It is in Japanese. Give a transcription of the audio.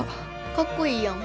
かっこいいやん。